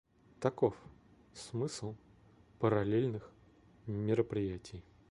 Таков смысл "параллельных мероприятий".